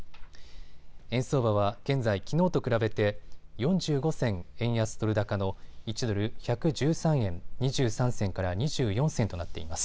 円相場は現在きのうと比べて４５銭円安ドル高の１ドル１１３円２３銭から２４銭となっています。